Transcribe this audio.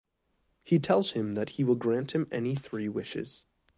He tells him that he will grant him any three wishes.